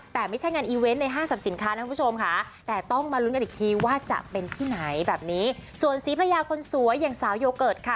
ที่ไหนแบบนี้ส่วนศรีพญาคนสวยอย่างสาวโยเกิร์ตค่ะ